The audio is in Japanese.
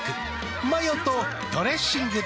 マヨとドレッシングで。